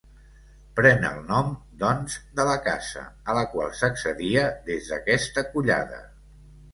Pren el nom, doncs, de la casa a la qual s'accedia des d'aquesta collada.